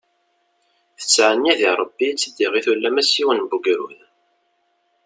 Tettɛenni deg Rebbi ad tt-i-iɣit ulamma s yiwen n ugrud.